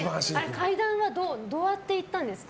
階段はどうやって行ったんですか。